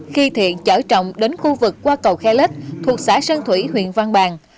khi thiện chở trọng đến khu vực qua cầu khe lết thuộc xã sơn thủy huyện văn bàn